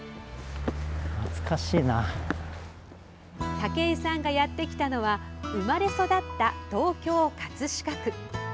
武井さんがやってきたのは生まれ育った東京・葛飾区。